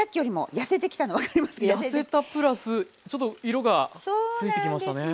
痩せたプラスちょっと色がついてきましたね。